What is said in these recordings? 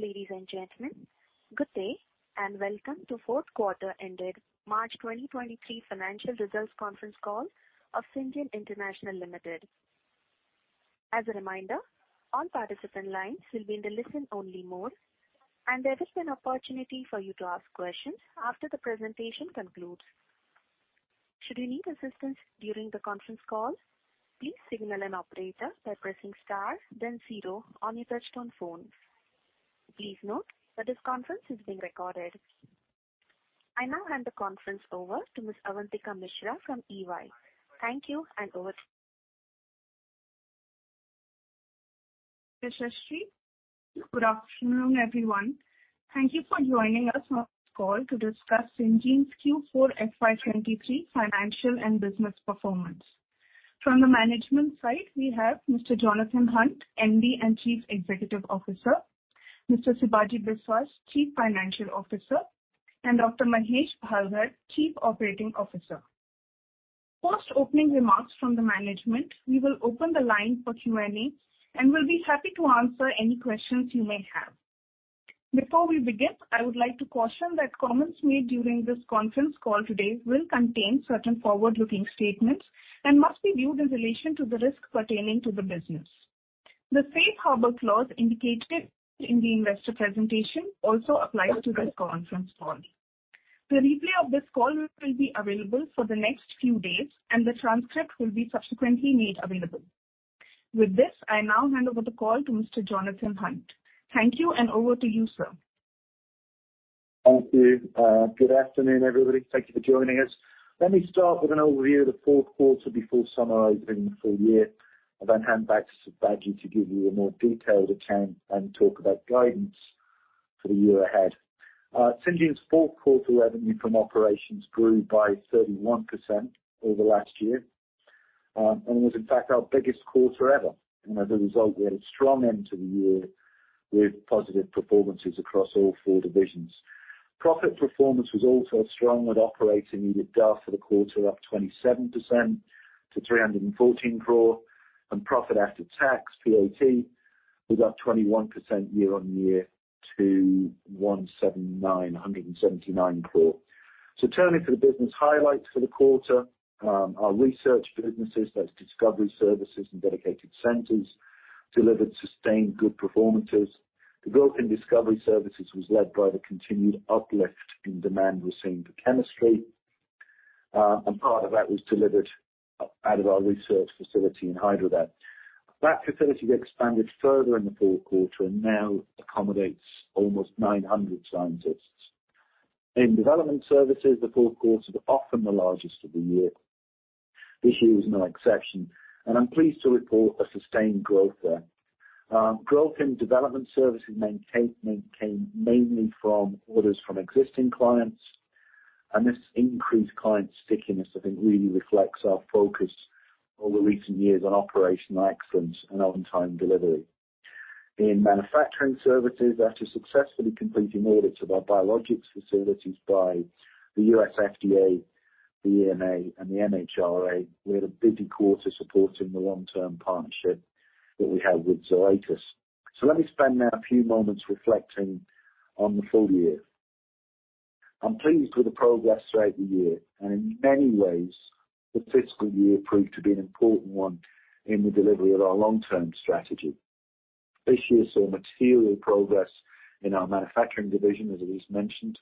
Ladies and gentlemen, good day, and welcome to fourth quarter ended March 2023 financial results Conference Call of Syngene International Limited. As a reminder, all participant lines will be in the listen-only mode, and there is an opportunity for you to ask questions after the presentation concludes. Should you need assistance during the conference call, please signal an operator by pressing star then zero on your touchtone phone. Please note that this conference is being recorded. I now hand the conference over to Ms. Avantika Mishra from EY. Thank you and over to you. Good afternoon, everyone. Thank you for joining us on this call to discuss Syngene's Q4 FY 2023 financial and business performance. From the management side, we have Mr. Jonathan Hunt, MD and Chief Executive Officer, Mr. Sibaji Biswas, Chief Financial Officer, and Dr. Mahesh Bhalgat, Chief Operating Officer. Post opening remarks from the management, we will open the line for Q&A. We'll be happy to answer any questions you may have. Before we begin, I would like to caution that comments made during this conference call today will contain certain forward-looking statements and must be viewed in relation to the risks pertaining to the business. The safe harbor clause indicated in the investor presentation also applies to this conference call. The replay of this call will be available for the next few days. The transcript will be subsequently made available. With this, I now hand over the call to Mr. Jonathan Hunt. Thank you and over to you, sir. Thank you. Good afternoon, everybody. Thank you for joining us. Let me start with an overview of the fourth quarter before summarizing the full year and then hand back to Sibaji to give you a more detailed account and talk about guidance for the year ahead. Syngene's fourth quarter revenue from operations grew by 31% over last year, and was in fact our biggest quarter ever. As a result, we had a strong end to the year with positive performances across all four divisions. Profit performance was also strong, with operating EBITDA for the quarter up 27% to 314 crore. Profit after tax, PAT, was up 21% year-on-year to 179 crore. Turning to the business highlights for the quarter, our research businesses, that's discovery services and dedicated centers, delivered sustained good performances. The growth in discovery services was led by the continued uplift in demand we're seeing for chemistry. Part of that was delivered out of our research facility in Hyderabad. That facility expanded further in the fourth quarter and now accommodates almost 900 scientists. In development services, the fourth quarter is often the largest of the year. This year was no exception, and I'm pleased to report a sustained growth there. Growth in development services came mainly from orders from existing clients. This increased client stickiness, I think, really reflects our focus over recent years on operational excellence and on-time delivery. In manufacturing services, after successfully completing audits of our biologics facilities by the U.S. FDA, the EMA, and the MHRA, we had a busy quarter supporting the long-term partnership that we have with Zoetis. Let me spend now a few moments reflecting on the full year. I'm pleased with the progress throughout the year, and in many ways, the fiscal year proved to be an important one in the delivery of our long-term strategy. This year saw material progress in our manufacturing division, as Elise mentioned,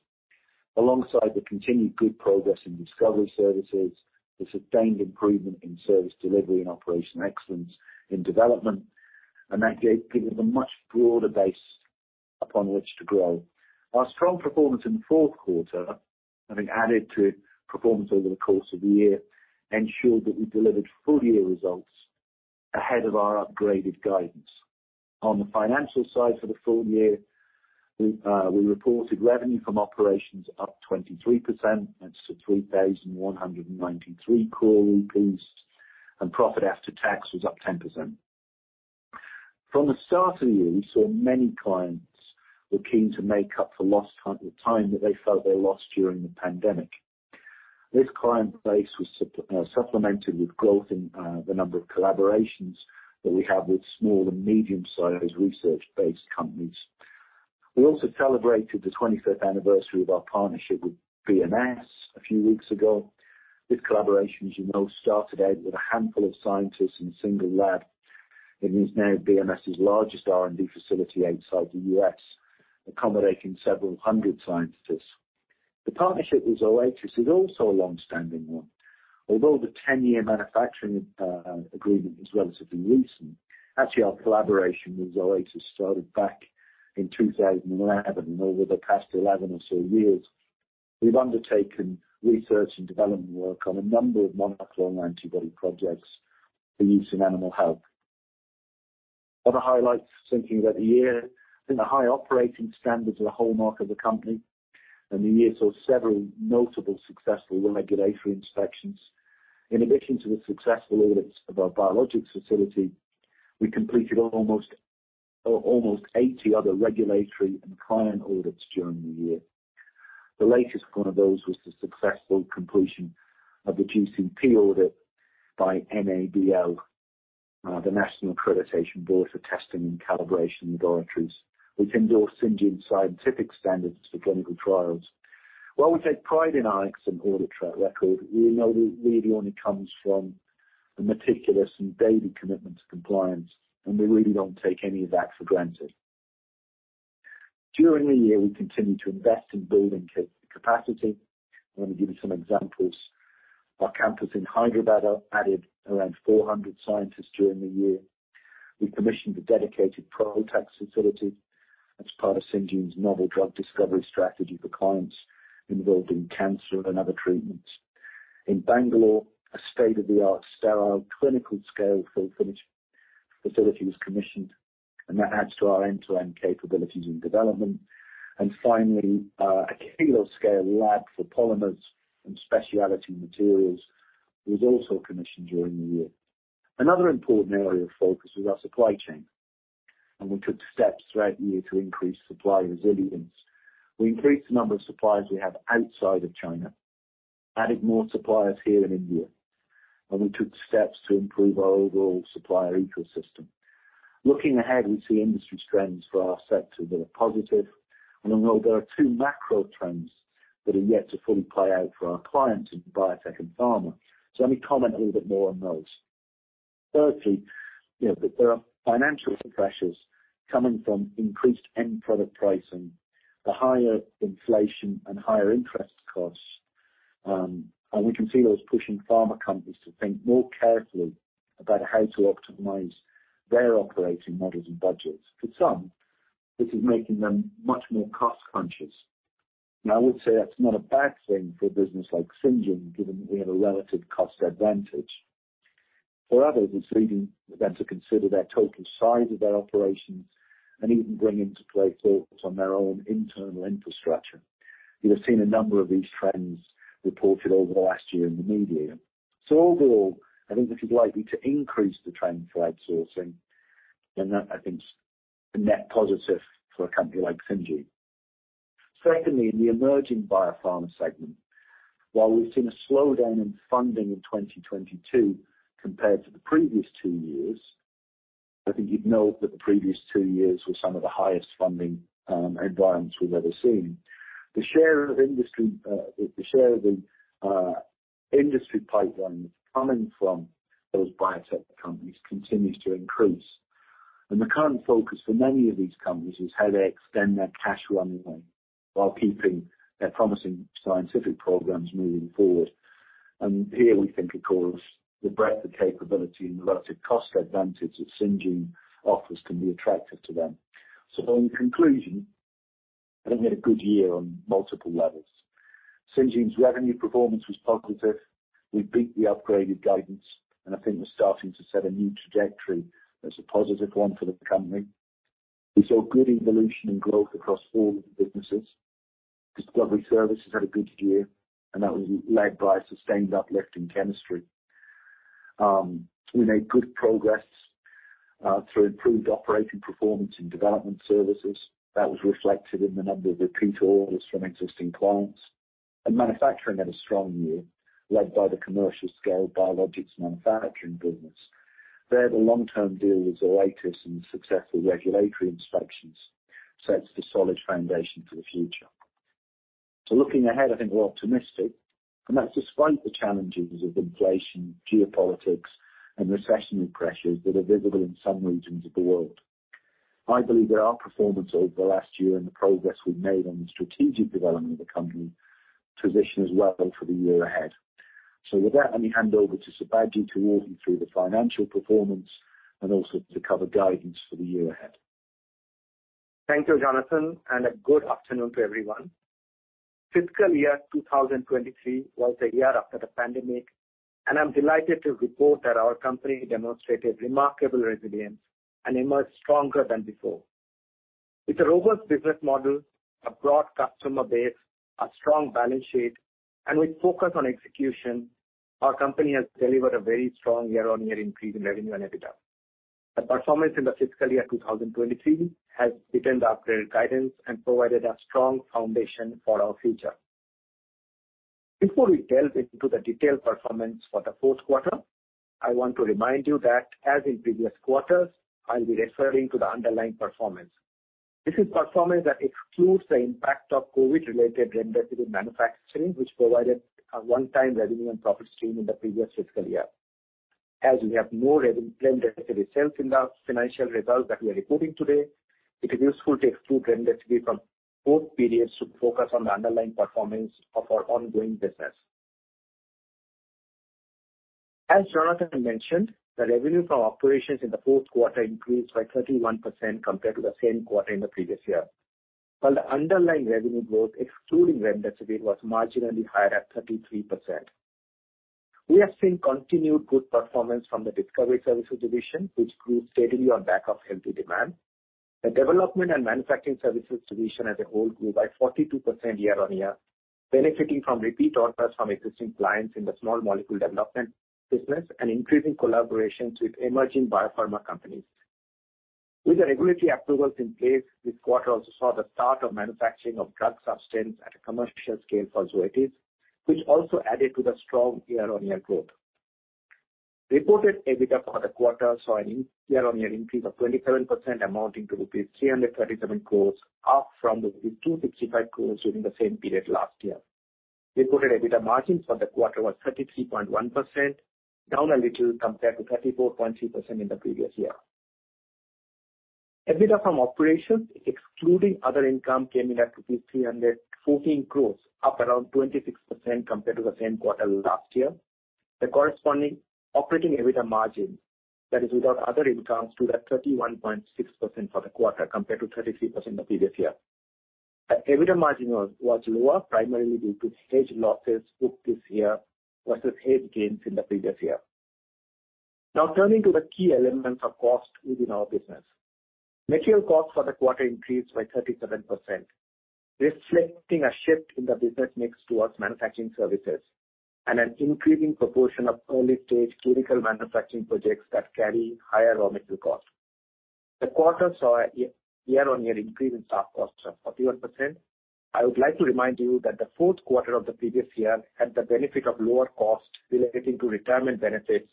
alongside the continued good progress in discovery services, the sustained improvement in service delivery and operational excellence in development, and that gave people a much broader base upon which to grow. Our strong performance in the fourth quarter, having added to performance over the course of the year, ensured that we delivered full-year results ahead of our upgraded guidance. On the financial side for the full year, we reported revenue from operations up 23%. That's to 3,193 crore rupees. Profit after tax was up 10%. From the start of the year, we saw many clients were keen to make up for lost time that they felt they lost during the pandemic. This client base was supplemented with growth in the number of collaborations that we have with small- and medium-sized research-based companies. We also celebrated the 25th anniversary of our partnership with BMS a few weeks ago. This collaboration, as you know, started out with a handful of scientists in a single lab. It is now BMS's largest R&D facility outside the U.S., accommodating several hundred scientists. The partnership with Zoetis is also a long-standing one. Although the 10-year manufacturing agreement is relatively recent, actually our collaboration with Zoetis started back in 2011. Over the past 11 or so years, we've undertaken research and development work on a number of monoclonal antibody projects for use in animal health. Other highlights thinking about the year, I think the high operating standards are the hallmark of the company. The year saw several notable successful regulatory inspections. In addition to the successful audits of our biologics facility, we completed almost 80 other regulatory and client audits during the year. The latest one of those was the successful completion of the GCP audit by NABL, the National Accreditation Board for Testing and Calibration Laboratories, which endorsed Syngene scientific standards for clinical trials. While we take pride in our excellent audit track record, we know that really only comes from the meticulous and daily commitment to compliance, and we really don't take any of that for granted. During the year, we continued to invest in building capacity. I'm going to give you some examples. Our campus in Hyderabad added around 400 scientists during the year. We commissioned a dedicated PROTACs facility as part of Syngene's novel drug discovery strategy for clients involved in cancer and other treatments. In Bangalore, a state-of-the-art sterile clinical scale fill finish facility was commissioned. That adds to our end-to-end capabilities in development. Finally, a kilo-scale lab for polymers and specialty materials was also commissioned during the year. Another important area of focus was our supply chain. We took steps throughout the year to increase supply resilience. We increased the number of suppliers we have outside of China, added more suppliers here in India. We took steps to improve our overall supplier ecosystem. Looking ahead, we see industry trends for our sector that are positive. Although there are two macro trends that are yet to fully play out for our clients in biotech and pharma, let me comment a little bit more on those. Thirdly, you know, there are financial pressures coming from increased end product pricing, the higher inflation and higher interest costs. We can see those pushing pharma companies to think more carefully about how to optimize their operating models and budgets. For some, this is making them much more cost conscious. Now, I would say that's not a bad thing for a business like Syngene, given we have a relative cost advantage. For others, it's leading them to consider their total size of their operations and even bring into play thoughts on their own internal infrastructure. You have seen a number of these trends reported over the last year in the media. Overall, I think this is likely to increase the trend for outsourcing, and that I think is a net positive for a company like Syngene. Secondly, in the emerging biopharma segment, while we've seen a slowdown in funding in 2022 compared to the previous two years, I think you'd note that the previous two years were some of the highest funding environments we've ever seen. The share of industry, the share of the industry pipeline coming from those biotech companies continues to increase. The current focus for many of these companies is how they extend their cash runway while keeping their promising scientific programs moving forward. Here we think, of course, the breadth of capability and the relative cost advantage that Syngene offers can be attractive to them. In conclusion, I think we had a good year on multiple levels. Syngene's revenue performance was positive. We beat the upgraded guidance. I think we're starting to set a new trajectory that's a positive one for the company. We saw good evolution and growth across all of the businesses. Discovery services had a good year, that was led by a sustained uplift in chemistry. We made good progress through improved operating performance in development services. That was reflected in the number of repeat orders from existing clients. Manufacturing had a strong year led by the commercial scale biologics manufacturing business. There, the long-term deal with the latest and successful regulatory inspections sets the solid foundation for the future. Looking ahead, I think we're optimistic, and that's despite the challenges of inflation, geopolitics and recessionary pressures that are visible in some regions of the world. I believe that our performance over the last year and the progress we've made on the strategic development of the company position us well for the year ahead. With that, let me hand over to Sibaji to walk you through the financial performance and also to cover guidance for the year ahead. Thank you, Jonathan. A good afternoon to everyone. Fiscal year 2023 was the year after the pandemic. I'm delighted to report that our company demonstrated remarkable resilience and emerged stronger than before. With a robust business model, a broad customer base, a strong balance sheet, and with focus on execution, our company has delivered a very strong year-on-year increase in revenue and EBITDA. The performance in the fiscal year 2023 has beaten the upgraded guidance and provided a strong foundation for our future. Before we delve into the detailed performance for the fourth quarter, I want to remind you that as in previous quarters, I'll be referring to the underlying performance. This is performance that excludes the impact of COVID-related remdesivir manufacturing, which provided a one-time revenue and profit stream in the previous fiscal year. As we have more remdesivir sales in the financial results that we are reporting today, it is useful to exclude remdesivir from both periods to focus on the underlying performance of our ongoing business. As Jonathan mentioned, the revenue from operations in the fourth quarter increased by 31% compared to the same quarter in the previous year, while the underlying revenue growth excluding remdesivir was marginally higher at 33%. We have seen continued good performance from the Discovery Services division, which grew steadily on back of healthy demand. The Development and Manufacturing Services division as a whole grew by 42% year-on-year, benefiting from repeat orders from existing clients in the small molecule development business and increasing collaborations with emerging biopharma companies. With the regulatory approvals in place, this quarter also saw the start of manufacturing of drug substance at a commercial scale for Zoetis, which also added to the strong year-on-year growth. Reported EBITDA for the quarter saw an year-on-year increase of 27% amounting to rupees 337 crore, up from the 265 crore during the same period last year. Reported EBITDA margins for the quarter was 33.1%, down a little compared to 34.3% in the previous year. EBITDA from operations, excluding other income, came in at rupees 314 crore, up around 26% compared to the same quarter last year. The corresponding operating EBITDA margin, that is without other incomes, stood at 31.6% for the quarter compared to 33% the previous year. The EBITDA margin was lower primarily due to hedge losses booked this year versus hedge gains in the previous year. Turning to the key elements of cost within our business. Material costs for the quarter increased by 37%, reflecting a shift in the business mix towards manufacturing services and an increasing proportion of early-stage clinical manufacturing projects that carry higher raw material cost. The quarter saw a year-on-year increase in staff costs of 41%. I would like to remind you that the fourth quarter of the previous year had the benefit of lower costs relating to retirement benefits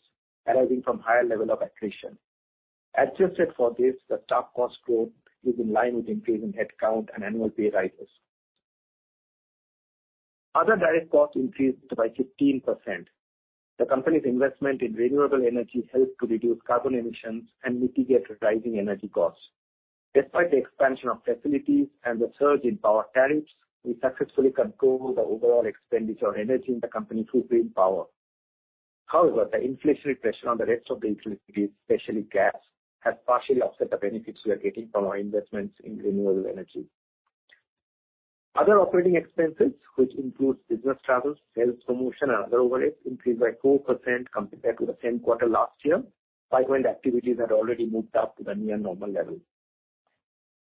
arising from higher level of attrition. Adjusted for this, the staff cost growth is in line with increase in headcount and annual pay rises. Other direct costs increased by 15%. The company's investment in renewable energy helped to reduce carbon emissions and mitigate rising energy costs. Despite the expansion of facilities and the surge in power tariffs, we successfully controlled the overall expenditure on energy in the company through green power. The inflationary pressure on the rest of the utilities, especially gas, has partially offset the benefits we are getting from our investments in renewable energy. Other operating expenses, which includes business travel, sales, promotion, and other overheads, increased by 4% compared to the same quarter last year by when activities had already moved up to the near normal level.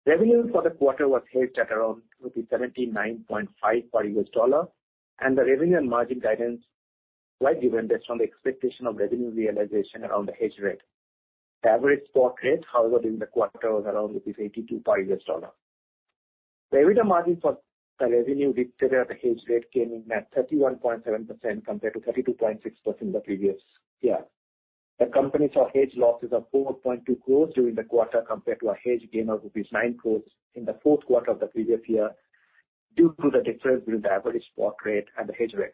Revenue for the quarter was hedged at around 79.5 per U.S. dollar and the revenue and margin guidance were given based on the expectation of revenue realization around the hedge rate. The average spot rate, however, during the quarter was around INR 82 per U.S. dollar. The EBITDA margin for the revenue fixed at the hedge rate came in at 31.7% compared to 32.6% the previous year. The company saw hedge losses of 4.2 crores during the quarter compared to a hedge gain of rupees 9 crores in the fourth quarter of the previous year, due to the difference between the average spot rate and the hedge rate.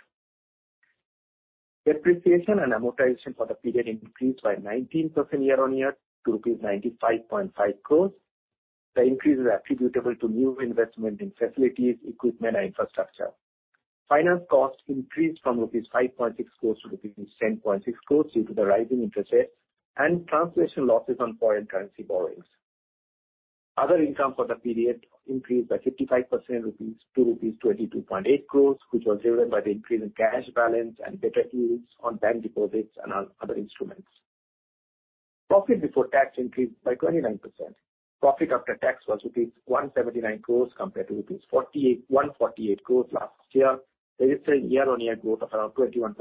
Depreciation and amortization for the period increased by 19% year-on-year to rupees 95.5 crores. The increase is attributable to new investment in facilities, equipment, and infrastructure. Finance costs increased from rupees 5.6 crores to rupees 10.6 crores due to the rising interest rates and translation losses on foreign currency borrowings. Other income for the period increased by 55% rupees to rupees 22.8 crores, which was driven by the increase in cash balance and better yields on bank deposits and other instruments. Profit before tax increased by 29%. Profit after tax was rupees 179 crores compared to 148 crores last year, registering year-on-year growth of around 21%.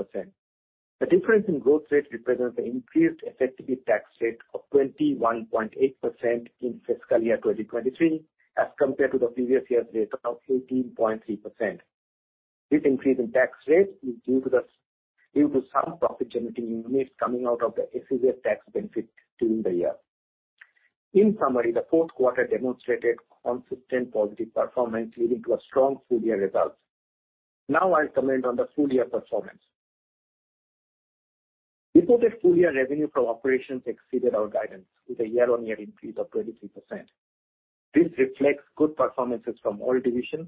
The difference in growth rate represents an increased effective tax rate of 21.8% in fiscal year 2023 as compared to the previous year's rate of 18.3%. This increase in tax rate is due to some profit-generating units coming out of the effective tax benefit during the year. In summary, the fourth quarter demonstrated consistent positive performance leading to a strong full-year results. Now I'll comment on the full-year performance. Reported full-year revenue from operations exceeded our guidance with a year-on-year increase of 23%. This reflects good performances from all divisions.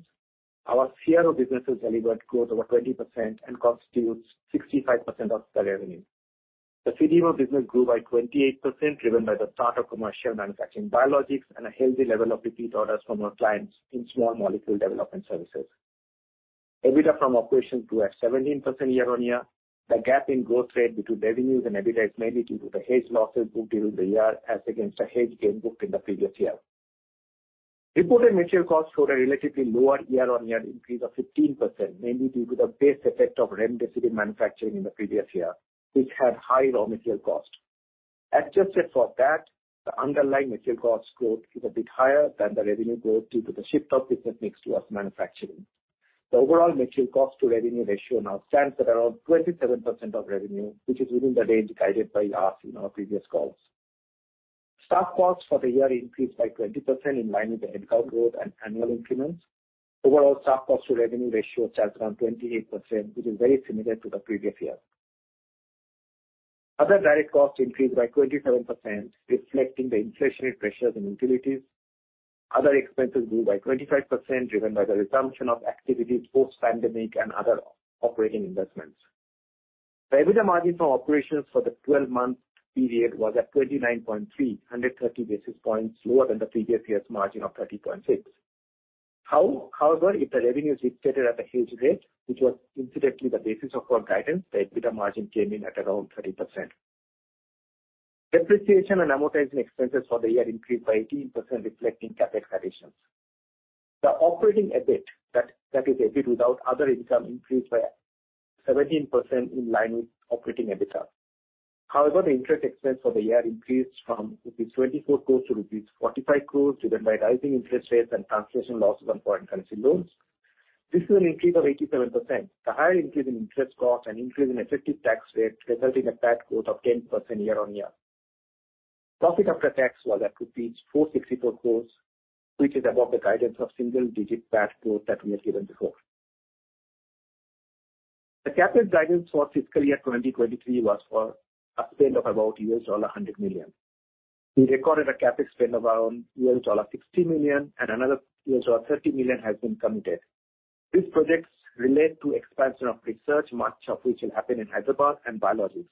Our CRO businesses delivered growth over 20% and constitutes 65% of the revenue. The CDMO business grew by 28%, driven by the start of commercial manufacturing biologics and a healthy level of repeat orders from our clients in small molecule development services. EBITDA from operations grew at 17% year-on-year. The gap in growth rate between revenues and EBITDA is mainly due to the hedge losses booked during the year as against the hedge gain booked in the previous year. Reported material costs showed a relatively lower year-on-year increase of 15%, mainly due to the base effect of remdesivir manufacturing in the previous year, which had higher raw material cost. Adjusted for that, the underlying material costs growth is a bit higher than the revenue growth due to the shift of business mix towards manufacturing. The overall material cost to revenue ratio now stands at around 27% of revenue, which is within the range guided by us in our previous calls. Staff costs for the year increased by 20% in line with the headcount growth and annual increments. Overall, staff cost to revenue ratio stands around 28%, which is very similar to the previous year. Other direct costs increased by 27%, reflecting the inflationary pressures in utilities. Other expenses grew by 25%, driven by the resumption of activities post-pandemic and other operating investments. The EBITDA margin from operations for the 12-month period was at 29.3, 130 basis points lower than the previous year's margin of 30.6. However, if the revenue is fixed at the hedge rate, which was incidentally the basis of our guidance, the EBITDA margin came in at around 30%. Depreciation and amortization expenses for the year increased by 18%, reflecting CapEx additions. The operating EBIT, that is EBIT without other income increased by 17% in line with operating EBITDA. However, the interest expense for the year increased from rupees 24 crore to rupees 45 crore due to rising interest rates and translation losses on foreign currency loans. This is an increase of 87%. The higher increase in interest costs and increase in effective tax rate resulted in PAT growth of 10% year-on-year. Profit after tax was at rupees 464 crores, which is above the guidance of single-digit PAT growth that we have given before. The CapEx guidance for fiscal year 2023 was for a spend of about $100 million. We recorded a CapEx spend of around $60 million and another $30 million has been committed. These projects relate to expansion of research, much of which will happen in Hyderabad and biologics.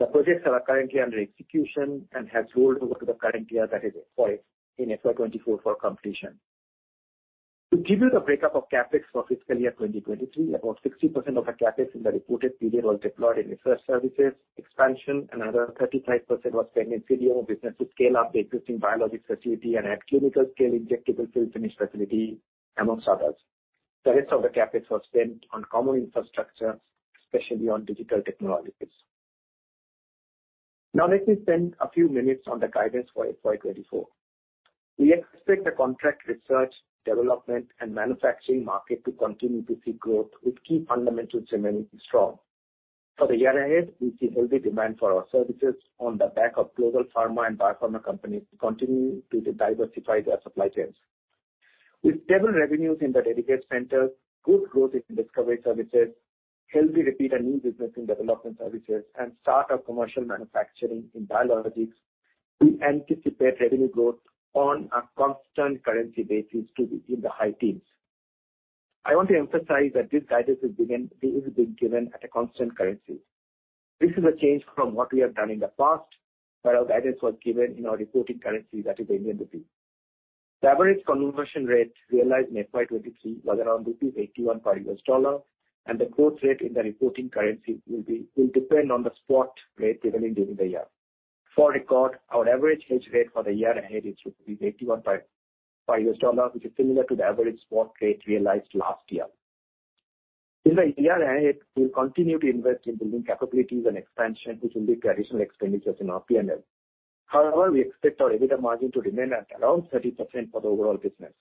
The projects are currently under execution and have rolled over to the current year, that is FY, in FY 2024 for completion. To give you the breakup of CapEx for fiscal year 2023, about 60% of the CapEx in the reported period was deployed in research services expansion. Another 35% was spent in CDMO business to scale up the existing biologics facility and add clinical scale injectable fill finish facility, amongst others. The rest of the CapEx was spent on common infrastructure, especially on digital technologies. Let me spend a few minutes on the guidance for FY 2024. We expect the contract research, development, and manufacturing market to continue to see growth with key fundamentals remaining strong. For the year ahead, we see healthy demand for our services on the back of global pharma and biopharma companies continuing to diversify their supply chains. With stable revenues in the dedicated centers, good growth in discovery services, healthy repeat and new business in development services, and start of commercial manufacturing in biologics, we anticipate revenue growth on a constant currency basis to be in the high teens. I want to emphasize that this guidance is being given at a constant currency. This is a change from what we have done in the past, where our guidance was given in our reporting currency, that is the Indian rupee. The average conversion rate realized in FY 2023 was around INR 81 per U.S. dollar, and the growth rate in the reporting currency will depend on the spot rate prevailing during the year. For record, our average hedge rate for the year ahead is 81 per U.S. dollar, which is similar to the average spot rate realized last year. In the year ahead, we'll continue to invest in building capabilities and expansion, which will be traditional expenditures in our P&L. However, we expect our EBITDA margin to remain at around 30% for the overall business.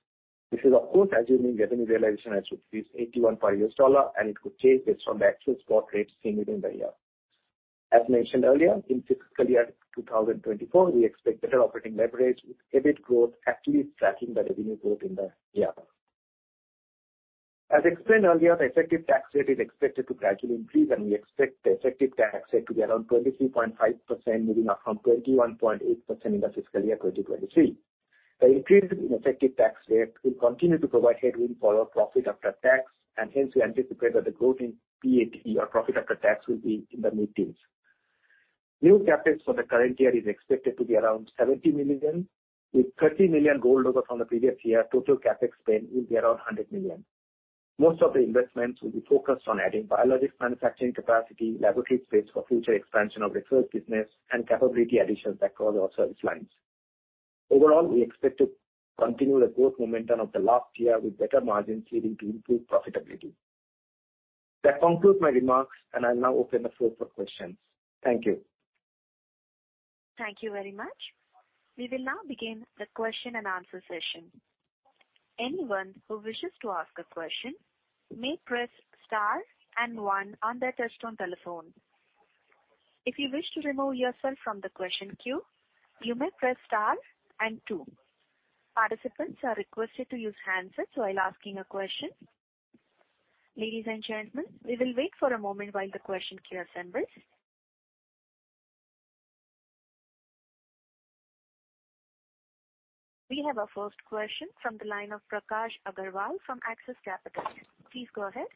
This is of course assuming revenue realization as rupees 81 per U.S. dollar, and it could change based on the actual spot rates seen within the year. As mentioned earlier, in fiscal year 2024, we expect better operating leverage with EBIT growth at least tracking the revenue growth in the year. As explained earlier, the effective tax rate is expected to gradually increase, and we expect the effective tax rate to be around 23.5%, moving up from 21.8% in the fiscal year 2023. The increase in effective tax rate will continue to provide headroom for our profit after tax, and hence we anticipate that the growth in PAT or profit after tax will be in the mid-teens. New CapEx for the current year is expected to be around $70 million, with $30 million rolled over from the previous year. Total CapEx spend will be around $100 million. Most of the investments will be focused on adding biologics manufacturing capacity, laboratory space for future expansion of research business and capability additions across our service lines. Overall, we expect to continue the growth momentum of the last year with better margins leading to improved profitability. That concludes my remarks, and I'll now open the floor for questions. Thank you. Thank you very much. We will now begin the question and answer session. Anyone who wishes to ask a question may press star one on their touchtone telephone. If you wish to remove yourself from the question queue, you may press star two. Participants are requested to use handsets while asking a question. Ladies and gentlemen, we will wait for a moment while the question queue assembles. We have our first question from the line of Prakash Agarwal from Axis Capital. Please go ahead.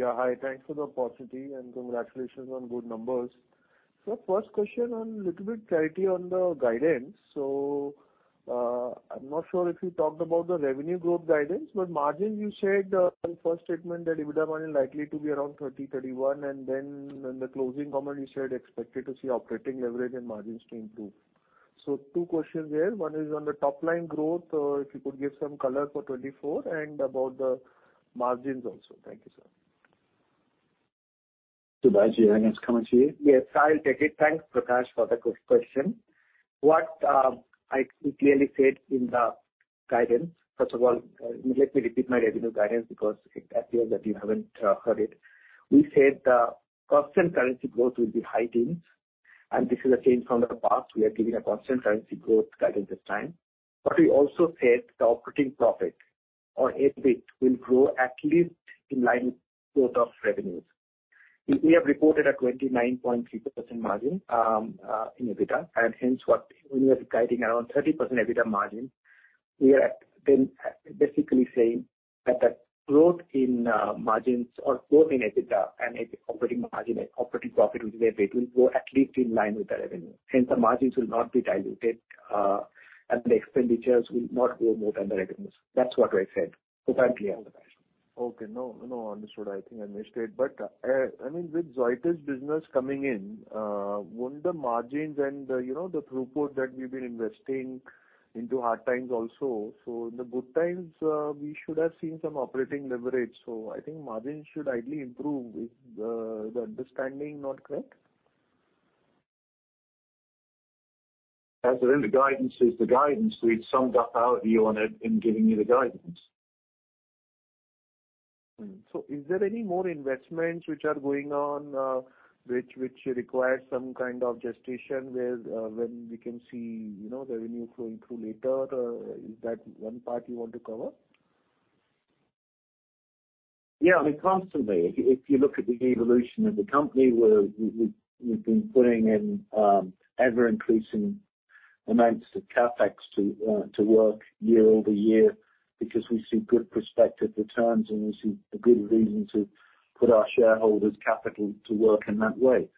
Hi. Thanks for the opportunity and congratulations on good numbers. First question on little bit clarity on the guidance. I'm not sure if you talked about the revenue growth guidance, but margin you said in first statement that EBITDA margin likely to be around 30%-31%. In the closing comment you said expected to see operating leverage and margins to improve. Two questions there. One is on the top line growth, if you could give some color for 2024 and about the margins also. Thank you, sir. Sibaji, I think it's coming to you. Yes, I'll take it. Thanks, Prakash, for the good question. What I clearly said in the guidance. First of all, let me repeat my revenue guidance because it appears that you haven't heard it. We said the Constant Currency growth will be high teens, and this is a change from the past. We are giving a Constant Currency growth guidance this time. We also said the operating profit or EBIT will grow at least in line with growth of revenues. We have reported a 29.3% margin in EBITDA, when we are guiding around 30% EBITDA margin, we are at, then, basically saying that the growth in margins or growth in EBITDA and EBIT operating margin and operating profit, which is EBIT, will grow at least in line with the revenue. The margins will not be diluted, and the expenditures will not grow more than the revenues. That's what I said. Hope I'm clear on that. Okay. No, no, understood. I think I missed it. I mean, with Zoetis business coming in, won't the margins and the, you know, the throughput that we've been investing into hard times also? In the good times, we should have seen some operating leverage. I think margins should ideally improve. Is the understanding not correct? As with any guidance, is the guidance, we've summed up our view on it in giving you the guidance. Is there any more investments which are going on, which require some kind of gestation where, when we can see, you know, the revenue flowing through later? Is that one part you want to cover? Yeah, I mean, constantly. If you look at the evolution of the company, we've been putting in ever-increasing amounts of CapEx to work year-over-year because we see good prospective returns, and we see a good reason to put our shareholders' capital to work in that way.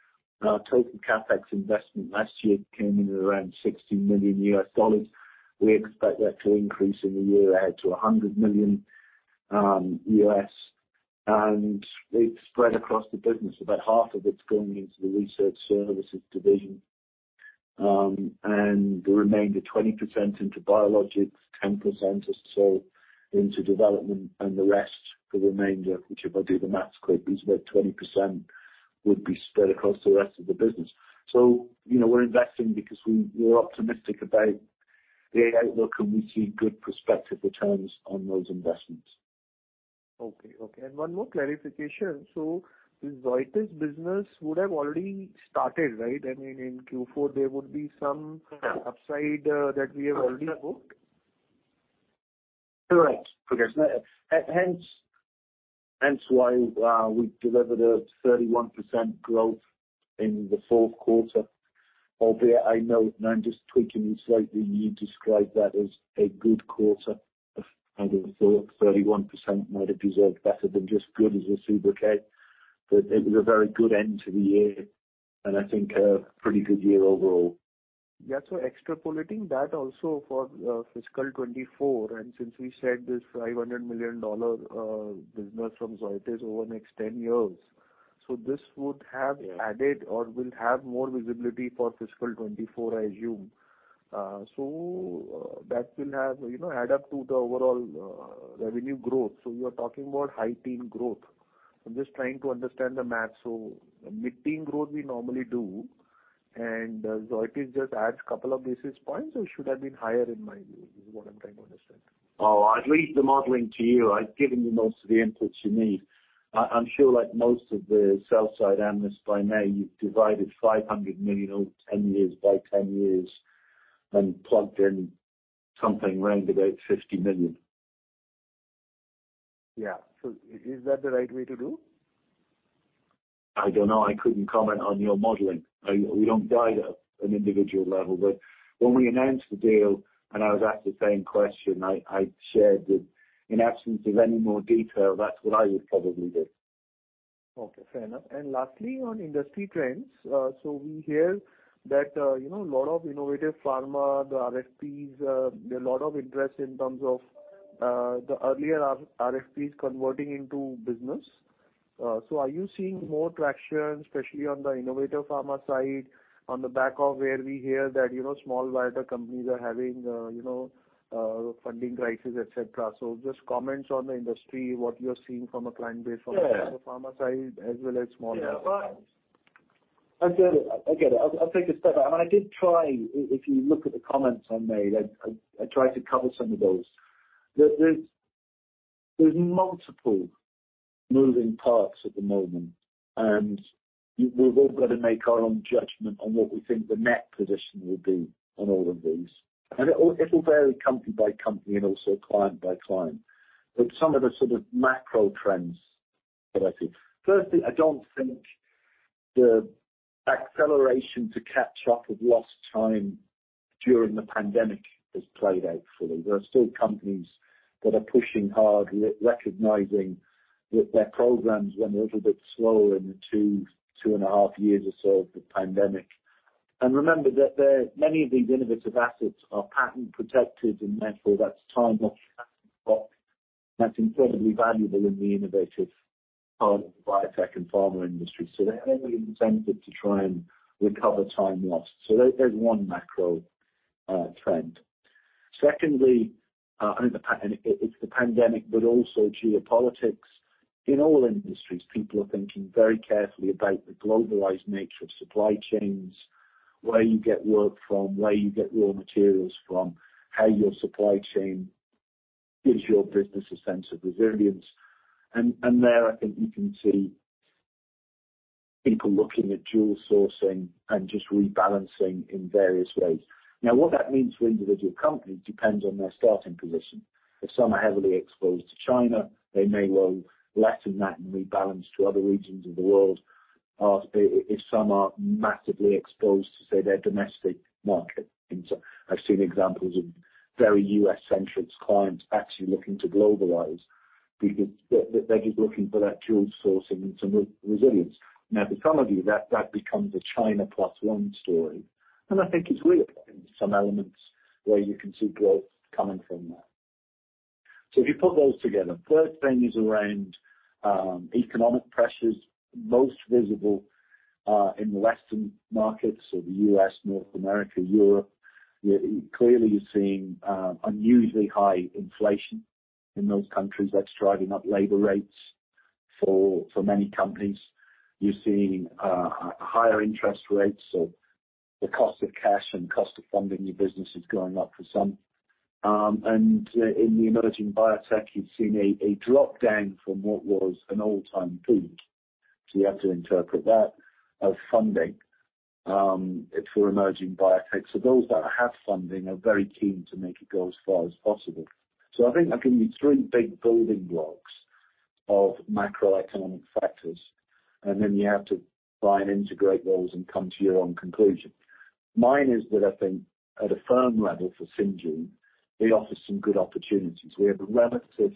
Our total CapEx investment last year came in at around $60 million. We expect that to increase in the year ahead to $100 million. It's spread across the business. About half of it's going into the research services division, and the remainder 20% into biologics, 10% or so into development, and the rest, the remainder, which if I do the math correctly, is about 20%, would be spread across the rest of the business. We're investing because we're optimistic about the outlook, and we see good prospective returns on those investments. Okay, okay. One more clarification. The Zoetis business would have already started, right? I mean, in Q4, there would be some upside that we have already booked. Correct. Okay. Hence why, we delivered a 31% growth in the fourth quarter. Albeit I know, and I'm just tweaking you slightly, you describe that as a good quarter. I would have thought 31% might have deserved better than just good as a super case. It was a very good end to the year and I think a pretty good year overall. Yeah. Extrapolating that also for, fiscal 2024, and since we said this $500 million business from Zoetis over the next 10 years, so this would have added or will have more visibility for fiscal 2024, I assume. That will have, you know, add up to the overall revenue growth. You are talking about high teen growth. I'm just trying to understand the math. Mid-teen growth we normally do, and Zoetis just adds a couple of basis points or should have been higher, in my view. This is what I'm trying to understand. Oh, I'd leave the modeling to you. I've given you most of the inputs you need. I'm sure, like most of the sell side analysts by now, you've divided 500 million over 10 years by 10 years and plugged in something around about 50 million. Yeah. Is that the right way to do? I don't know. I couldn't comment on your modeling. We don't guide at an individual level. When we announced the deal and I was asked the same question, I shared that in absence of any more detail, that's what I would probably do. Okay, fair enough. Lastly, on industry trends. We hear that, you know, a lot of innovative pharma, the RFPs, there are a lot of interest in terms of the earlier RFPs converting into business. Are you seeing more traction, especially on the innovative pharma side on the back of where we hear that, you know, small biotech companies are having, you know, funding crisis, et cetera. Just comments on the industry, what you're seeing from a client base. Yeah. From the pharma side as well as small biotech. Yeah. I get it. I get it. I'll take a step. I mean, I did try. If you look at the comments I made, I tried to cover some of those. There's multiple moving parts at the moment, and we've all got to make our own judgment on what we think the net position will be on all of these. It'll vary company by company and also client by client. Some of the sort of macro trends that I see. Firstly, I don't think the acceleration to catch up with lost time during the pandemic has played out fully. There are still companies that are pushing hard, re-recognizing that their programs ran a little bit slower in the two and a half years or so of the pandemic. Remember that many of these innovative assets are patent protected, and therefore, that's time that's incredibly valuable in the innovative part of the biotech and pharma industry. They have every incentive to try and recover time lost. There's one macro trend. Secondly, I think it's the pandemic, but also geopolitics. In all industries, people are thinking very carefully about the globalized nature of supply chains, where you get work from, where you get raw materials from, how your supply chain gives your business a sense of resilience. There, I think you can see people looking at dual sourcing and just rebalancing in various ways. Now, what that means for individual companies depends on their starting position. If some are heavily exposed to China, they may well lessen that and rebalance to other regions of the world. If some are massively exposed to, say, their domestic market. I've seen examples of very U.S.-centric clients actually looking to globalize because they're just looking for that dual sourcing and some re-resilience. For some of you, that becomes a China Plus One story, and I think it's real in some elements. Where you can see growth coming from that. If you put those together, first thing is around economic pressures most visible in Western markets or the U.S., North America, Europe. Clearly you're seeing unusually high inflation in those countries that's driving up labor rates for many companies. You're seeing higher interest rates or the cost of cash and cost of funding your business is going up for some. And in the emerging biotech, you've seen a drop-down from what was an all-time peak. You have to interpret that as funding for emerging biotech. Those that have funding are very keen to make it go as far as possible. I think I've given you three big building blocks of macroeconomic factors, you have to try and integrate those and come to your own conclusion. Mine is that I think at a firm level for Syngene, we offer some good opportunities. We have a relative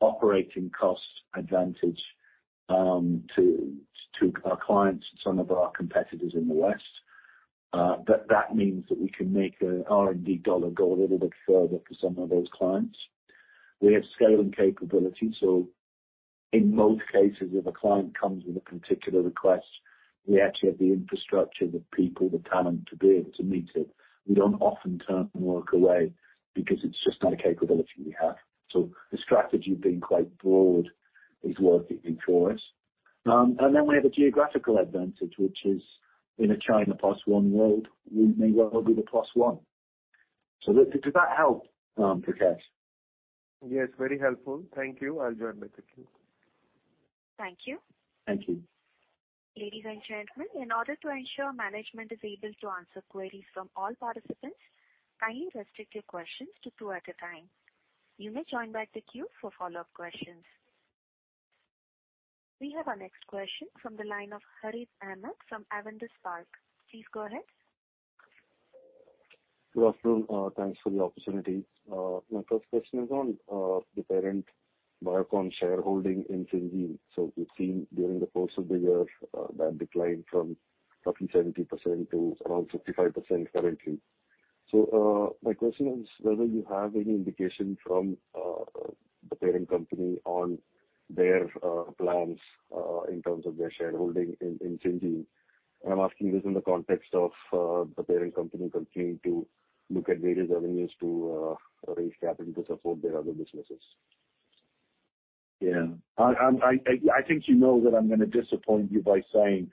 operating cost advantage to our clients and some of our competitors in the West. That means that we can make a R&D dollar go a little bit further for some of those clients. We have scaling capability, in most cases, if a client comes with a particular request, we actually have the infrastructure, the people, the talent to be able to meet it. We don't often turn work away because it's just not a capability we have. The strategy of being quite broad is working for us. We have a geographical advantage, which is in a China Plus One world. We may well be the plus one. Did that help, Prakash? Yes, very helpful. Thank you. I'll join back the queue. Thank you. Thank you. Ladies and gentlemen, in order to ensure management is able to answer queries from all participants, kindly restrict your questions to two at a time. You may join back the queue for follow-up questions. We have our next question from the line of Harith Ahamed from Avendus Capital. Please go ahead. Good afternoon. Thanks for the opportunity. My first question is on the parent Biocon shareholding in Syngene. We've seen during the course of the year that declined from roughly 70% to around 65% currently. My question is whether you have any indication from the parent company on their plans in terms of their shareholding in Syngene. I'm asking this in the context of the parent company continuing to look at various avenues to raise capital to support their other businesses. Yeah. I think you know that I'm gonna disappoint you by saying,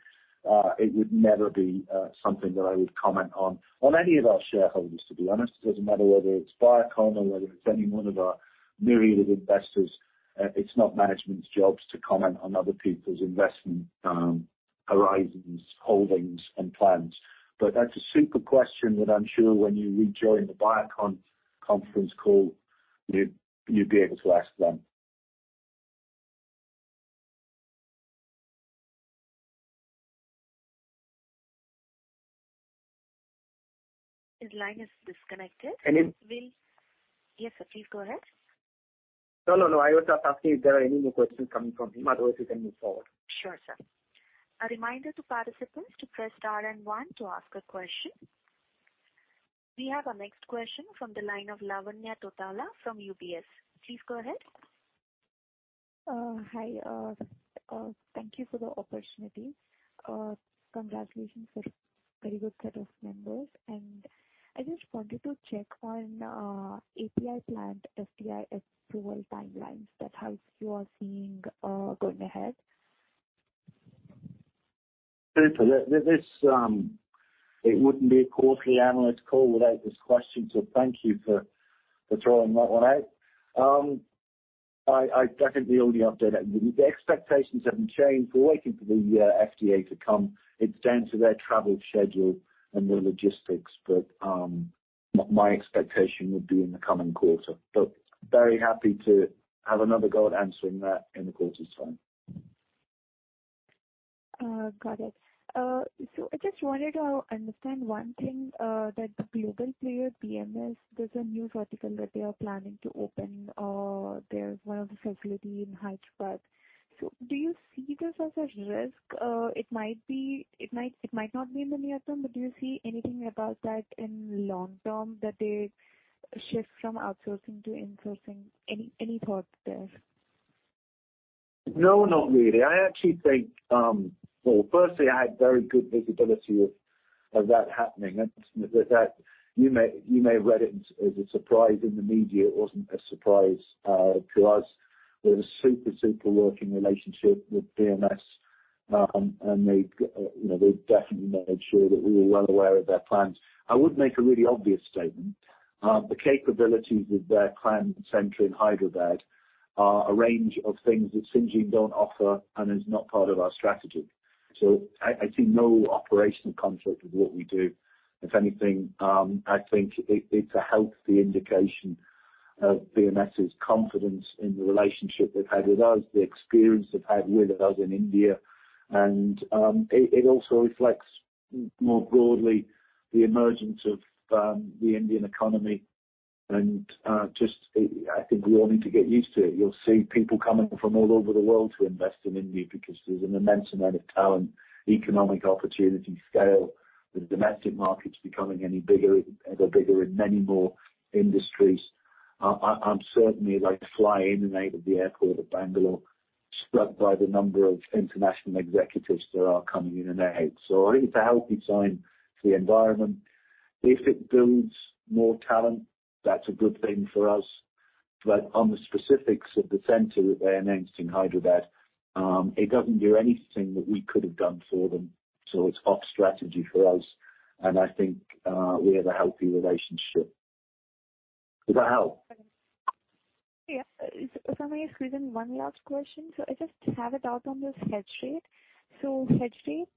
it would never be something that I would comment on any of our shareholders, to be honest. It doesn't matter whether it's Biocon or whether it's any one of our myriad of investors. It's not management's job to comment on other people's investment horizons, holdings and plans. That's a super question that I'm sure when you rejoin the Biocon conference call, you'd be able to ask them. His line is disconnected. And if- Yes, sir. Please go ahead. No, no. I was just asking if there are any more questions coming from him, otherwise we can move forward. Sure, sir. A reminder to participants to press star and one to ask a question. We have our next question from the line of Lavanya Tottala from UBS. Please go ahead. Hi. Thank you for the opportunity. Congratulations for very good set of members. I just wanted to check on, API plant FDA approval timelines that how you are seeing, going ahead. Super. This, it wouldn't be a quarterly analyst call without this question, so thank you for throwing that one out. I don't think the only update I can give you, the expectations haven't changed. We're waiting for the FDA to come. It's down to their travel schedule and the logistics, but my expectation would be in the coming quarter. Very happy to have another go at answering that in the quarter's time. Got it. I just wanted to understand one thing, that the global player BMS, there's a new vertical that they are planning to open, there's one of the facility in Hyderabad. Do you see this as a risk? It might not be in the near-term, but do you see anything about that in long-term that they shift from outsourcing to insourcing? Any thoughts there? No, not really. I actually think, well, firstly, I had very good visibility of that happening. That you may have read it as a surprise in the media. It wasn't a surprise to us. We had a super working relationship with BMS, and they'd, you know, they definitely made sure that we were well aware of their plans. I would make a really obvious statement. The capabilities of their plan center in Hyderabad are a range of things that Syngene don't offer and is not part of our strategy. I see no operational conflict with what we do. If anything, I think it's a healthy indication of BMS' confidence in the relationship they've had with us, the experience they've had with us in India. It also reflects more broadly the emergence of the Indian economy. Just, I think we all need to get used to it. You'll see people coming from all over the world to invest in India because there's an immense amount of talent, economic opportunity, scale. The domestic market's becoming any bigger, they're bigger in many more industries. I'm certainly, as I fly in and out of the airport of Bangalore, struck by the number of international executives that are coming in and out. I think it's a healthy sign for the environment. If it builds more talent, that's a good thing for us. On the specifics of the center that they announced in Hyderabad, it doesn't do anything that we could have done for them, so it's off strategy for us, and I think we have a healthy relationship. Does that help? Yeah. If I may squeeze in one last question. I just have a doubt on this hedge rate. Hedge rate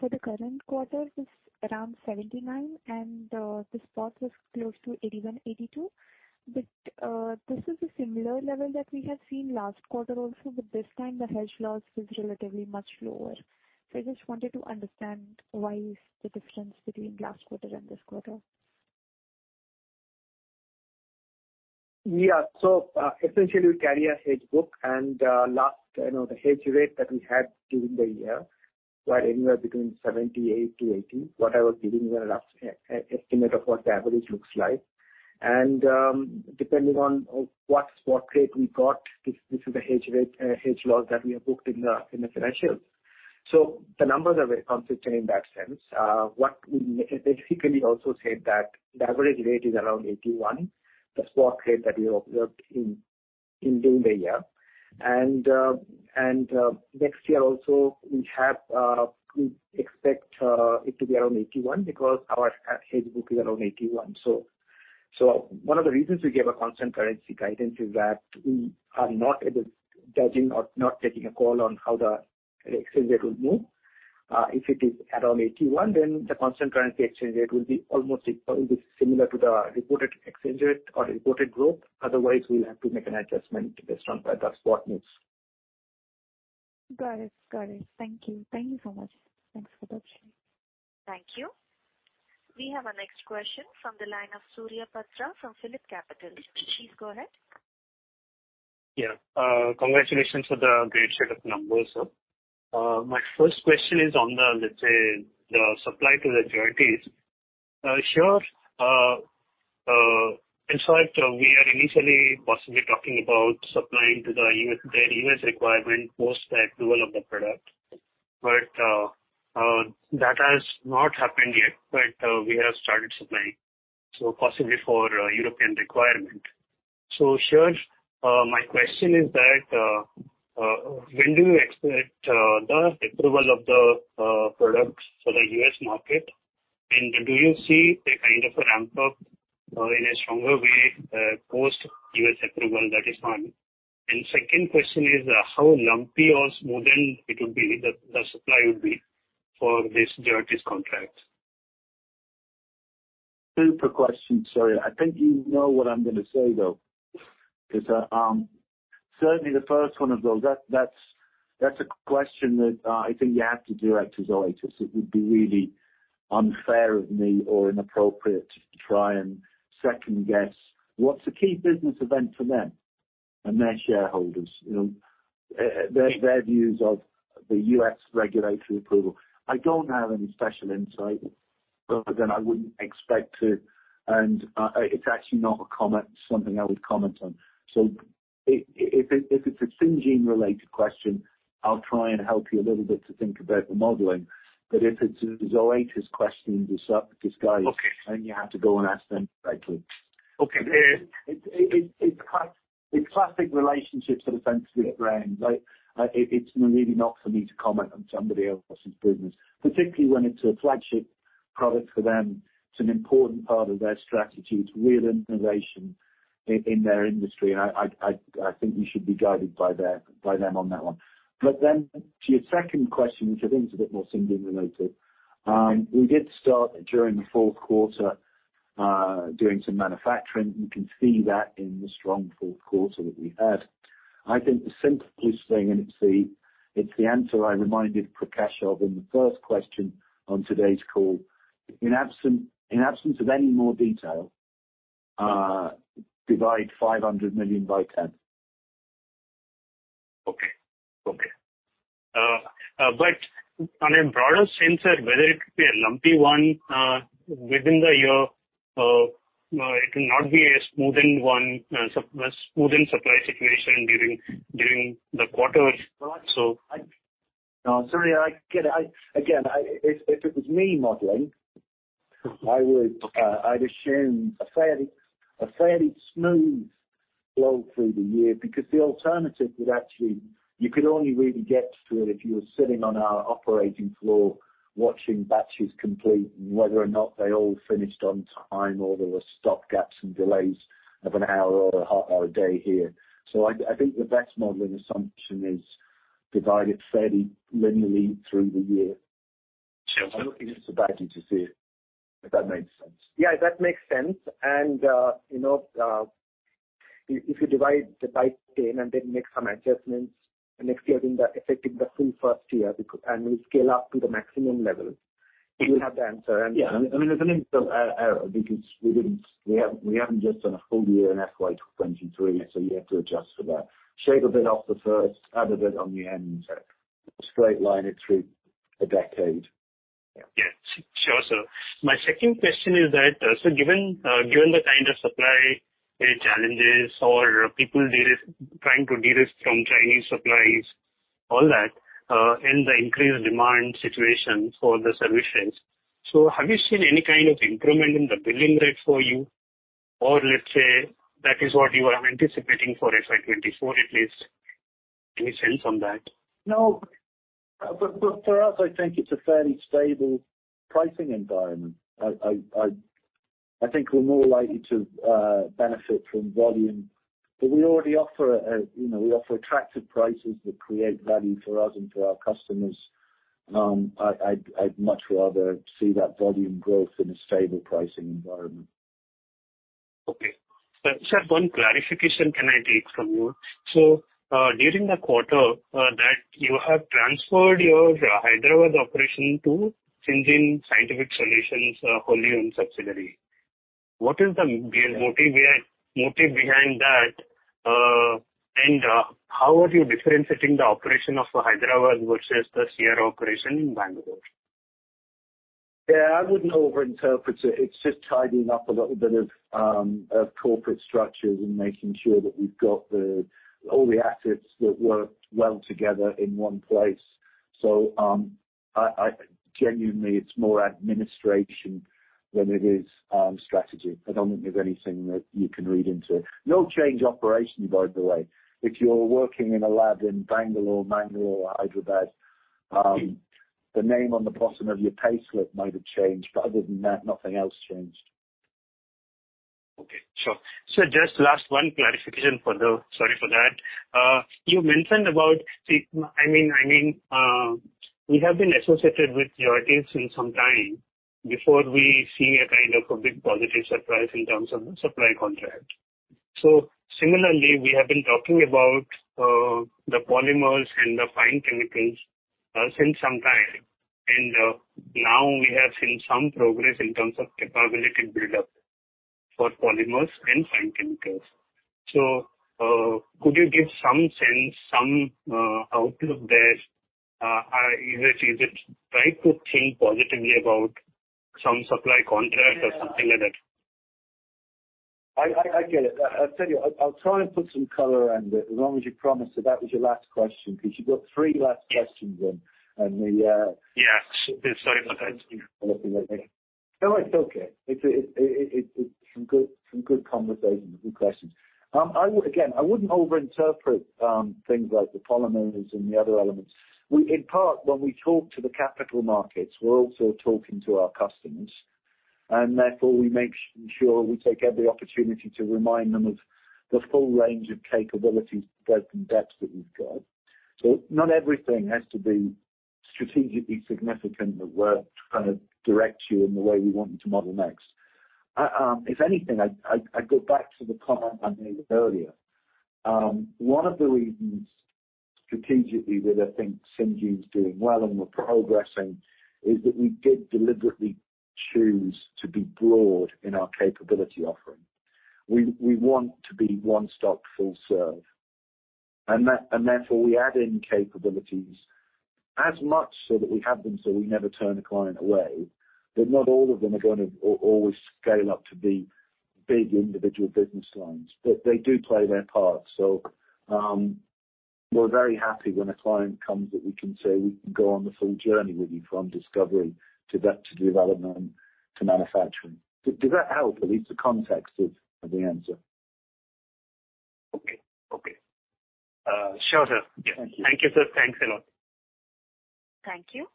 for the current quarter is around 79, and the spot was close to 81, 82. This is a similar level that we had seen last quarter also, but this time the hedge loss was relatively much lower. I just wanted to understand why is the difference between last quarter and this quarter. Essentially, we carry a hedge book and, you know, the hedge rate that we had during the year were anywhere between 78-80. What I was giving you the last estimate of what the average looks like. Depending on what spot rate we got, this is the hedge rate, hedge loss that we have booked in the financials. The numbers are very consistent in that sense. What we basically also said that the average rate is around 81, the spot rate that we observed during the year. Next year also we have, we expect it to be around 81 because our hedge book is around 81. One of the reasons we gave a constant currency guidance is that we are not able judging or not taking a call on how the exchange rate will move. If it is at around 81, then the constant currency exchange rate will be similar to the reported exchange rate or reported growth. Otherwise, we'll have to make an adjustment based on the spot moves. Got it. Thank you so much. Thanks for the update. Thank you. We have our next question from the line of Surya Patra from PhillipCapital. Please go ahead. Yeah. Congratulations for the great set of numbers, sir. My first question is on the, let's say, the supply to Zoetis. Sure. In fact, we are initially possibly talking about supplying to the U.S., the U.S. requirement post the approval of the product. That has not happened yet. We have started supplying, possibly for European requirement. Sure. My question is that when do you expect the approval of the products for the U.S. market? Do you see a kind of a ramp-up in a stronger way post U.S. approval? That is one. Second question is, how lumpy or smooth then it would be, the supply would be for this Zoetis contract? Super question, Surya. I think you know what I'm gonna say, though. Certainly the first one of those, that's a question that I think you have to direct to Zoetis. It would be really unfair of me or inappropriate to try and second-guess what's a key business event for them and their shareholders. You know, their views of the U.S. regulatory approval. I don't have any special insight, other than I wouldn't expect to. It's actually not a comment, something I would comment on. If it's a Syngene-related question, I'll try and help you a little bit to think about the modeling. If it's a Zoetis question in disguise. Okay. You have to go and ask them directly. Okay. It's classic relationships defensively at range, right? It's really not for me to comment on somebody else's business, particularly when it's a flagship product for them. It's an important part of their strategy. It's real innovation in their industry. I think you should be guided by them on that one. To your second question, which I think is a bit more Syngene related, we did start during the fourth quarter doing some manufacturing. You can see that in the strong fourth quarter that we had. I think the simplest thing, and it's the answer I reminded Prakash of in the first question on today's call. In absence of any more detail, divide 500 million by 10. a broader sense, whether it be a lumpy one within the year, it will not be a smoothing supply situation during the quarters No, Surya, I get it. If it was me modeling, I would, I'd assume a fairly smooth flow through the year, because the alternative would actually... You could only really get to it if you were sitting on our operating floor watching batches complete and whether or not they all finished on time or there were stop gaps and delays of an hour or a half hour a day here. I think the best modeling assumption is divide it fairly linearly through the year. Sure. I'm looking at the bag to see it, if that makes sense. Yeah, that makes sense. You know, If you divide the by ten and then make some adjustments, and next year being that effective the full first year, and we scale up to the maximum level, we will have the answer. Yeah. I mean, there's an income error because we haven't just done a full year in FY 2023, so you have to adjust for that. Shave a bit off the first, add a bit on the end. Straight line it through a decade. Yeah. Sure, sir. My second question is that, given the kind of supply chain challenges or people trying to de-risk from Chinese suppliers, all that, and the increased demand situation for the solutions. Have you seen any kind of improvement in the billing rate for you or let's say that is what you are anticipating for FY 2024 at least? Any sense on that? No. For us, I think it's a fairly stable pricing environment. I think we're more likely to benefit from volume. We already offer, you know, we offer attractive prices that create value for us and for our customers. I'd much rather see that volume growth in a stable pricing environment. Okay. Sir, one clarification can I take from you? During the quarter, that you have transferred your Hyderabad operation to Syngene Scientific Solutions, wholly owned subsidiary. What is the main motive behind that? How are you differentiating the operation of Hyderabad versus the CRO operation in Bangalore? Yeah, I wouldn't overinterpret it. It's just tidying up a little bit of corporate structures and making sure that we've got all the assets that work well together in one place. I genuinely it's more administration than it is strategy. I don't think there's anything that you can read into. No change operationally, by the way. If you're working in a lab in Bangalore, Bangalore or Hyderabad, the name on the bottom of your payslip might have changed, but other than that, nothing else changed. Okay. Sure. Just last one clarification. Sorry for that. You mentioned I mean, we have been associated with your teams since some time before we see a kind of a big positive surprise in terms of the supply contract. Similarly, we have been talking about the polymers and the fine chemicals since some time. Now we have seen some progress in terms of capability build-up for polymers and fine chemicals. Could you give some sense, some outlook there? Is it right to think positively about some supply contract or something like that? I get it. I'll tell you, I'll try and put some color around it, as long as you promise that was your last question, because you've got 3 last questions in. Yeah. No, it's okay. It's some good conversations and good questions. Again, I wouldn't overinterpret things like the polymers and the other elements. We, in part, when we talk to the capital markets, we're also talking to our customers, and therefore we make sure we take every opportunity to remind them of the full range of capabilities, breadth and depth that we've got. Not everything has to be strategically significant that we're trying to direct you in the way we want you to model next. If anything, I'd go back to the comment I made earlier. One of the reasons strategically where I think Syngene is doing well and we're progressing is that we did deliberately choose to be broad in our capability offering. We want to be one-stop full serve, therefore we add in capabilities as much so that we have them, so we never turn a client away. Not all of them are going to always scale up to be big individual business lines, but they do play their part. We're very happy when a client comes that we can say we can go on the full journey with you from discovery to development, to manufacturing. Does that help at least the context of the answer? Okay. Okay. Sure, sir. Thank you. Thank you, sir. Thanks a lot. Thank you.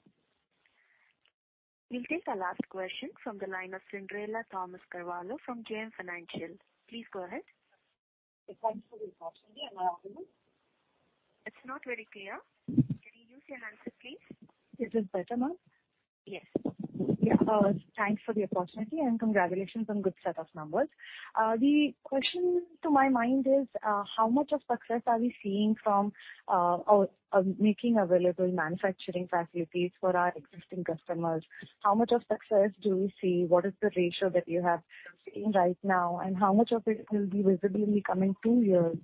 We'll take the last question from the line of Cinderella Thomas Carvalho from JM Financial. Please go ahead. Thanks for the opportunity. Am I audible? It's not very clear. Can you use your handset, please? Is this better now? Yes. Yeah. Thanks for the opportunity and congratulations on good set of numbers. The question to my mind is, how much of success are we seeing from, making available manufacturing facilities for our existing customers? How much of success do we see? What is the ratio that you have seen right now and how much of it will be visible in the coming two years,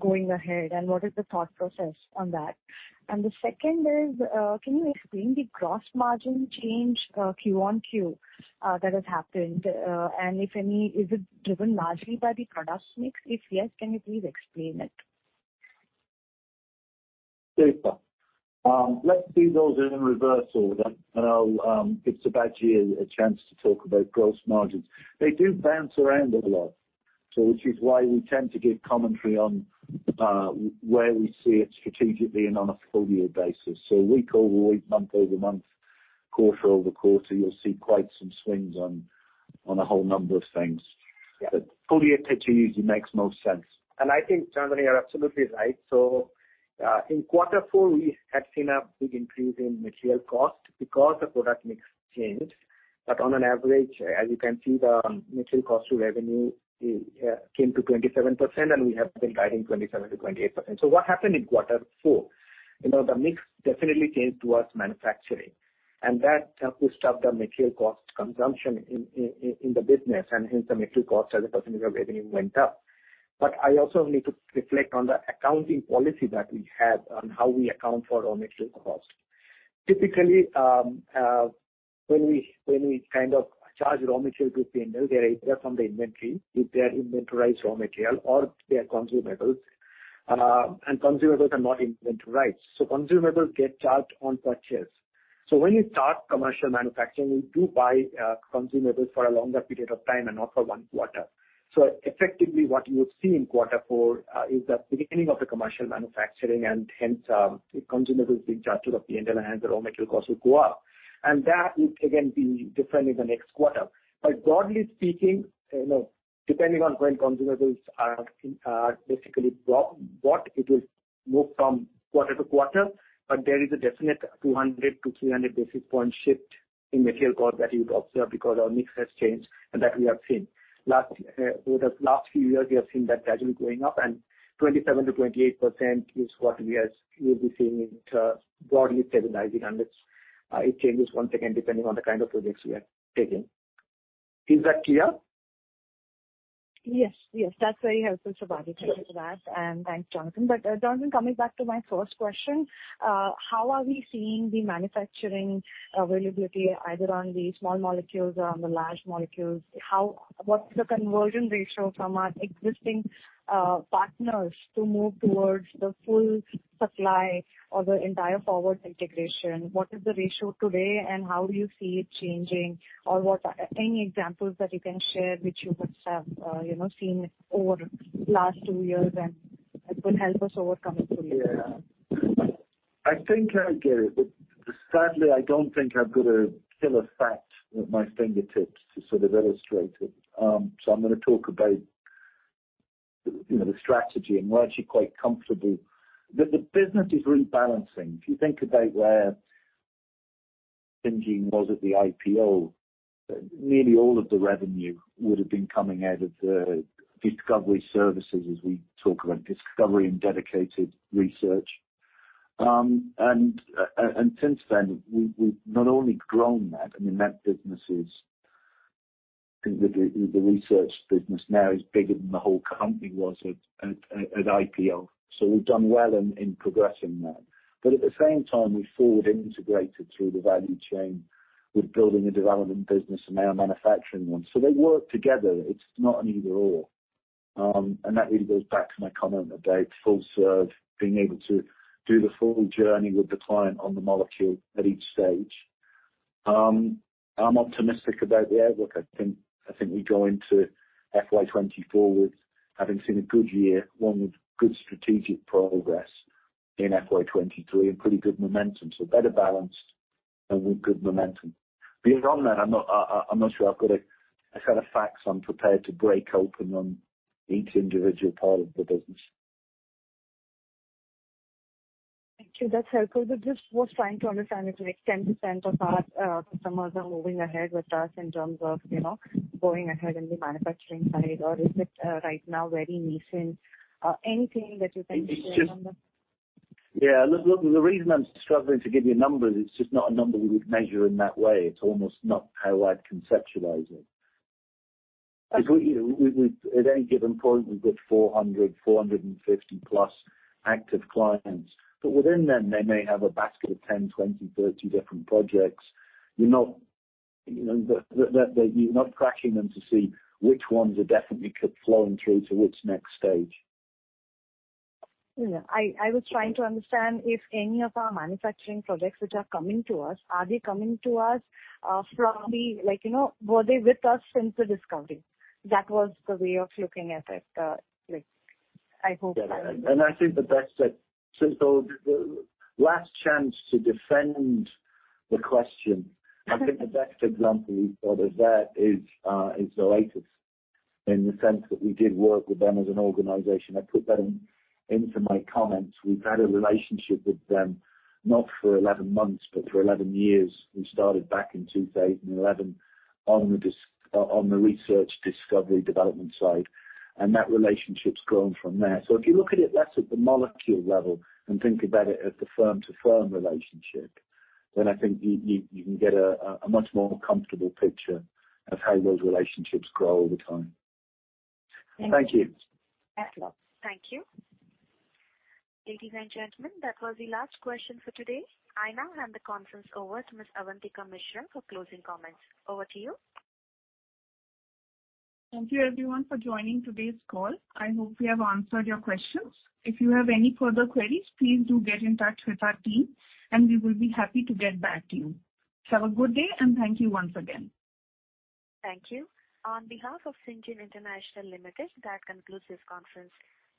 going ahead? What is the thought process on that? The second is, can you explain the gross margin change, Q-on-Q, that has happened? If any, is it driven largely by the product mix? If yes, can you please explain it? Super. Let's do those in reverse order, I'll give Sibaji a chance to talk about gross margins. They do bounce around a lot. Which is why we tend to give commentary on, where we see it strategically and on a full year basis. Week-over-week, month-over-month, quarter-over-quarter, you'll see quite some swings on a whole number of things. Yeah. Full year picture usually makes most sense. I think, Cinderella, you are absolutely right. In quarter four, we had seen a big increase in material cost because the product mix changed. On an average, as you can see, the material cost to revenue came to 27%, and we have been guiding 27%-28%. What happened in quarter four? You know, the mix definitely came towards manufacturing. That helped us stop the material cost consumption in the business, and hence the material cost as a percentage of revenue went up. I also need to reflect on the accounting policy that we have on how we account for our material cost. Typically, when we kind of charge raw material to P&L, they are either from the inventory, if they are inventorized raw material, or they are consumables. And consumables are not inventorized. Consumables get charged on purchase. When you start commercial manufacturing, you do buy consumables for a longer period of time and not for one quarter. Effectively what you would see in quarter four is the beginning of the commercial manufacturing and hence, the consumables being charged to the P&L and the raw material costs will go up. That would again be different in the next quarter. Broadly speaking, you know, depending on when consumables are basically bought, it will move from quarter to quarter, but there is a definite 200-300 basis point shift in material cost that you'd observe because our mix has changed and that we have seen. Last, over the last few years, we have seen that gradually going up and 27%-28% is what we are, we'll be seeing it, broadly stabilizing and it's, it changes once again depending on the kind of projects we are taking. Is that clear? Yes. Yes. That's very helpful, Sibaji. Yes. Thank you for that, and thanks, Jonathan. Jonathan, coming back to my first question. How are we seeing the manufacturing availability either on the small molecules or on the large molecules? What's the conversion ratio from our existing partners to move towards the full supply or the entire forward integration? What is the ratio today and how do you see it changing? Any examples that you can share which you must have, you know, seen over the last two years and it will help us overcoming fully? Yeah. I think I get it. Sadly, I don't think I've got a killer fact at my fingertips to sort of illustrate it. I'm gonna talk about, you know, the strategy, and we're actually quite comfortable. The business is rebalancing. If you think about where Syngene was at the IPO, nearly all of the revenue would have been coming out of the discovery services as we talk about discovery and dedicated research. Since then, we've not only grown that, I mean, that business is... I think the research business now is bigger than the whole company was at IPO. We've done well in progressing that. At the same time, we forward integrated through the value chain with building a development business and now a manufacturing one. They work together. It's not an either/or. That really goes back to my comment about full serve, being able to do the full journey with the client on the molecule at each stage. I'm optimistic about the outlook. I think we go into FY 2024 with having seen a good year, one with good strategic progress in FY 2023 and pretty good momentum. Better balanced and with good momentum. Beyond that, I'm not sure I've got a set of facts I'm prepared to break open on each individual part of the business. Thank you. That's helpful. I just was trying to understand if, like, 10% of our customers are moving ahead with us in terms of, you know, going ahead in the manufacturing side, or is it right now very nascent? Anything that you can share on that? Look, the reason I'm struggling to give you a number is it's just not a number we would measure in that way. It's almost not how I'd conceptualize it. We, you know, we've At any given point, we've got 400, 450 plus active clients. Within them they may have a basket of 10, 20, 30 different projects. You're not, you know, the, you're not tracking them to see which ones are definitely kept flowing through to which next stage. Yeah. I was trying to understand if any of our manufacturing projects which are coming to us, are they coming to us, from the, like, you know, were they with us since the discovery? That was the way of looking at it, like, I hope. Yeah. I think the best, the last chance to defend the question. I think the best example we've got of that is Zoetis, in the sense that we did work with them as an organization. I put that in, into my comments. We've had a relationship with them, not for 11 months, but for 11 years. We started back in 2011 on the research discovery development side, and that relationship's grown from there. If you look at it less at the molecule level and think about it at the firm to firm relationship, then I think you can get a much more comfortable picture of how those relationships grow over time. Thank you. Thank you. Excellent. Thank you. Ladies and gentlemen, that was the last question for today. I now hand the conference over to Ms. Avantika Mishra for closing comments. Over to you. Thank you everyone for joining today's call. I hope we have answered your questions. If you have any further queries, please do get in touch with our team. We will be happy to get back to you. Have a good day. Thank you once again. Thank you. On behalf of Syngene International Limited, that concludes this conference.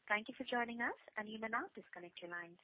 Thank you for joining us, and you may now disconnect your lines.